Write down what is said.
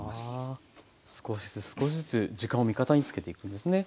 少しずつ少しずつ時間を味方につけていくんですね。